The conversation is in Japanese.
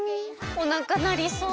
おなかなりそう！